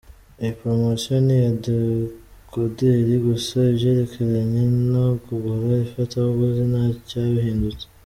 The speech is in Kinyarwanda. Iyi Promosiyo ni iya Dekoderi gusa ibyerekeranye no kugura ifatabuguzi ntacyahindutse.